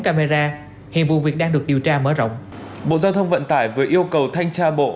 camera hiện vụ việc đang được điều tra mở rộng bộ giao thông vận tải vừa yêu cầu thanh tra bộ